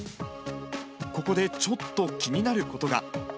ここでちょっと気になることが。